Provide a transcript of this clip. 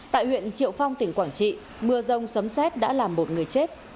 tại huyện triệu phong tỉnh quảng trị mưa rông sấm xét đã làm một người chết